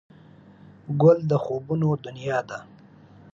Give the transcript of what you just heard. ګل د خوبونو دنیا ده.